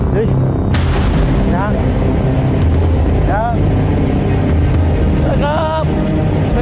ดีในร่างกายมันค่อยจะขายเสื้อลายสก็อตแล้ว